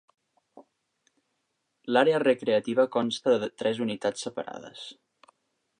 L'àrea recreativa consta de tres unitats separades.